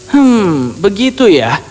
hmm begitu ya